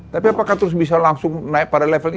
tapi apakah terus bisa langsung naik pada level ini